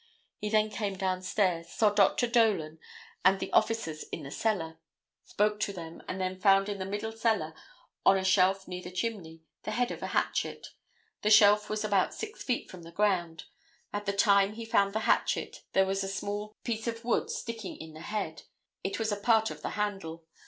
He then came down stairs; saw Dr. Dolan and the officers in the cellar; spoke to them and then found in the middle cellar, on a shelf near the chimney, the head of a hatchet; the shelf was about six feet from the ground; at the time he found the hatchet there was a small piece of wood sticking in the head, it was a part of the handle.